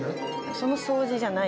その掃除じゃないです。